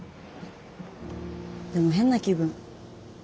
でも変な気分。